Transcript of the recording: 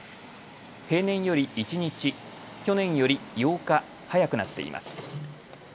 平年より１日、去年より８日早くなっています。